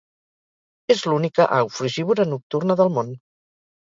És l'única au frugívora nocturna del món.